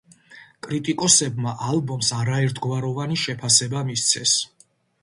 კრიტიკოსებმა ალბომს არაერთგვაროვანი შეფასება მისცეს.